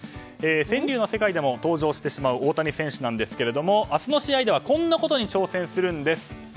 川柳の世界でも登場してしまう大谷さんですが明日の試合にはこんなことで登場してしまうんです。